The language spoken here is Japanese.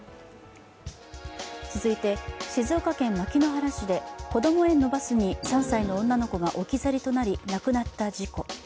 続いて、静岡県牧之原市でこども園のバスに３歳の女の子が置き去りとなり亡くなった事故。